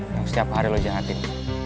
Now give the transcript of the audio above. yang setiap hari lo jahatin